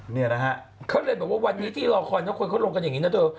เนี่ยนะฮะเขาเรียกว่าวันนี้ที่รองคลอนเท่าของตัวคนเขาลงอย่างงี้น่าเถอะ